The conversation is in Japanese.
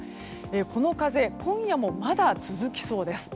この風今夜もまだ続きそうです。